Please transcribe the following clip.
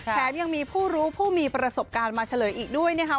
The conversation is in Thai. แถมยังมีผู้รู้ผู้มีประสบการณ์มาเฉลยอีกด้วยนะคะ